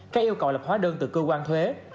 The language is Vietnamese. các yêu cầu lập hóa đơn từ cơ quan thuế